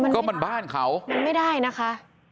ก็มันบ้านเขามันไม่ได้นะคะ